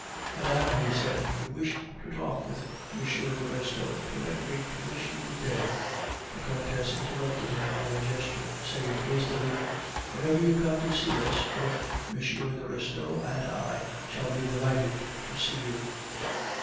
"Madame," he said, "you wish to talk with M. de Restaud; permit me to wish you good day " The Countess interrupted him by a gesture, saying hastily, "Whenever you come to see us, both M. de Restaud and I shall be delighted to see you."